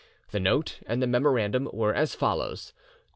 The note and the memorandum were as follows: "'2.